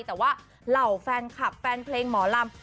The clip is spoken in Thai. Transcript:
แต่ว่าเหล่าแฟนคลับแฟนเพลงหมอลำ